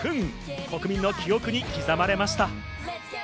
国民の記憶に刻まれました。